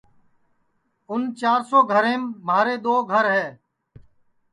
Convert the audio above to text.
اُن چِار سو گھریم مھارے دؔو گھر ہے